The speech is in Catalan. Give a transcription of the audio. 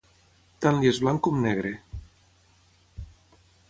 Tant li és blanc com negre.